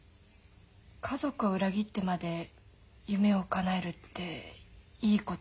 家族を裏切ってまで夢をかなえるっていいことかよく分かんないけど。